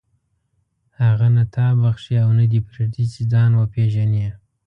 هغه نه تا بخښي او نه دې پرېږدي چې ځان وپېژنې.